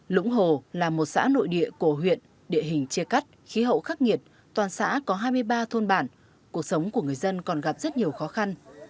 lũng hồ là một xã nội địa cổ huyện địa hình chia cắt khí hậu khắc nghiệt toàn xã có hai mươi ba thôn bản cuộc sống của người dân còn gặp rất nhiều khó khăn